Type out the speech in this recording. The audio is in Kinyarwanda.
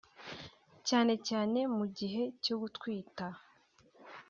cyane cyane mu gihe cyo gutwita